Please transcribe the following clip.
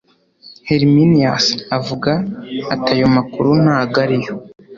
Herminius avuga ati ayo makuru ntago ariyo